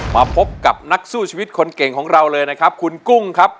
มาพบกับนักสู้ชีวิตคนเก่งของเราเลยนะครับคุณกุ้งครับ